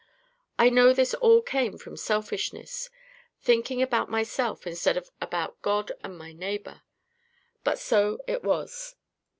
I know this all came from selfishness—thinking about myself instead of about God and my neighbour. But so it was.